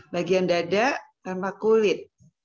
bagian dada tanpa kulit